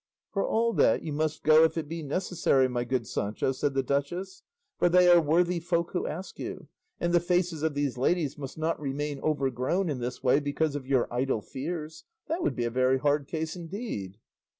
"For all that you must go if it be necessary, my good Sancho," said the duchess, "for they are worthy folk who ask you; and the faces of these ladies must not remain overgrown in this way because of your idle fears; that would be a hard case indeed."